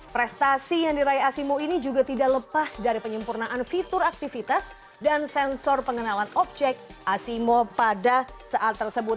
prestasi yang diraih asimo ini juga tidak lepas dari penyempurnaan fitur aktivitas dan sensor pengenalan objek asimo pada saat tersebut